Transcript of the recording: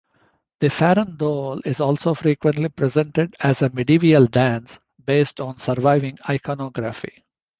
The farandole is also frequently presented as a medieval dance, based on surviving iconography.